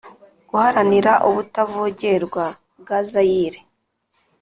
Guharanira ubutavogerwa bwa zayire